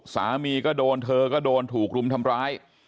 สามีก็โดนเธอก็โดนถูกรุมทำร้าย